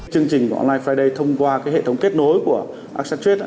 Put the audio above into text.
chương trình online friday thông qua hệ thống kết nối của accentrate